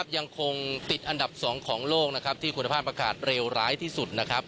ยังคงติดอันดับ๒ของโลกที่คุณภาพอากาศเลวร้ายที่สุดนะครับ